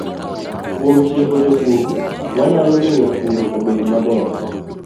Kuom tiego jopur, wanyalo miyo pur obed maber